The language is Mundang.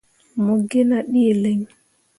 Mo gi nah ɗǝǝ lǝŋ.